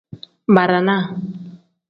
Barana.